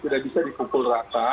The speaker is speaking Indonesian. tidak bisa dipukul rata